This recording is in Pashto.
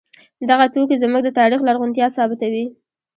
دغه توکي زموږ د تاریخ لرغونتیا ثابتوي.